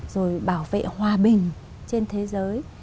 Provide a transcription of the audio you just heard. rồi bảo vệ hòa bình trên thế giới